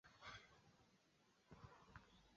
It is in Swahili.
uchumi na mazingira kunamaanisha kwamba kupunguza